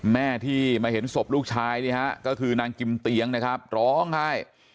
แม่ที่มาเห็นศพลูกชายนี่ฮะก็คือนางกิมเตียงนะครับร้องไห้